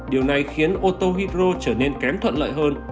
điều này khiến ô tô hybro trở nên kém thuận lợi hơn